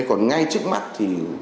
còn ngay trước mắt thì